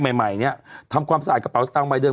ใบใหม่ทำความสะอาดกระเป๋าตังค์ไว้เดิน